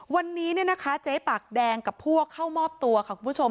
วันนี้เจ๊ปากแดงกับพวกเข้ามอบตัวค่ะคุณผู้ชม